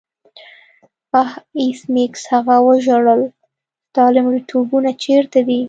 آه ایس میکس هغه وژړل ستا لومړیتوبونه چیرته دي